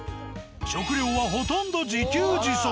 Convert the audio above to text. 食料はほとんど自給自足。